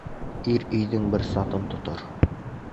Ир өйҙөң бер сатын тотор